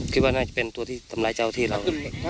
คิดว่าน่าจะเป็นตัวที่ทำร้ายเจ้าที่เรา